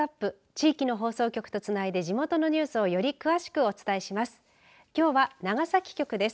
地域の放送局とつないで地元のニュースをより詳しくお伝えします。